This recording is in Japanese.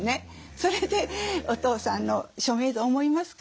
それで「お父さんの署名と思いますか？